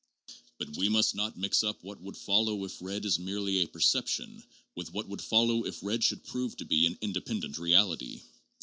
' But we must not mix up what would follow if red is merely a 'perception' with what would follow if red should prove to be an independent reality.